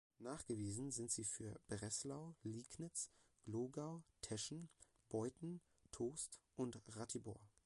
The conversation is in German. Nachgewiesen sind sie für Breslau, Liegnitz, Glogau, Teschen, Beuthen, Tost und Ratibor.